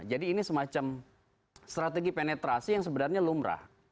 jadi ini semacam strategi penetrasi yang sebenarnya lumrah